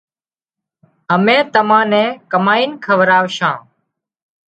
امين تمان نين ڪمائينَ کوراوشان